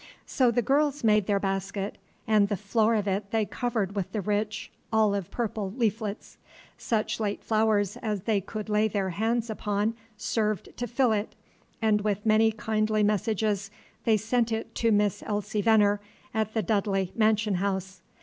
So the girls made their basket, and the floor of it they covered with the rich olive purple leaflets. Such late flowers as they could lay their hands upon served to fill it, and with many kindly messages they sent it to Miss Elsie Venner at the Dudley mansion house.